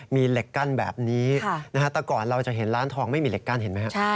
มีเหล็กกั้นแบบนี้แต่ก่อนเราจะเห็นร้านทองไม่มีเหล็กกั้นเห็นไหมครับ